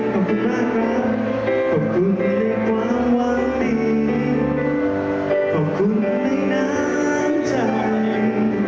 ขอบคุณมากขอบคุณในความหวังขอบคุณในน้ำใจ